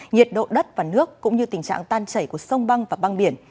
nhiệt độ đất và nước cũng như tình trạng tan chảy của sông băng và băng biển